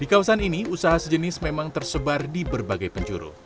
di kawasan ini usaha sejenis memang tersebar di berbagai penjuru